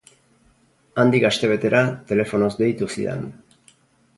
Handik astebetera telefonoz deitu zidan.